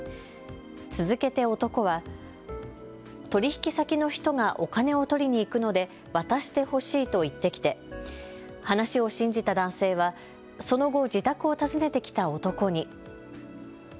続けて男は、取引先の人がお金を取りに行くので渡してほしいと言ってきて話を信じた男性はその後、自宅を訪ねてきた男に。